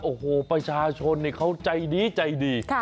โอ้โหประชาชนเขาใจดีใจดี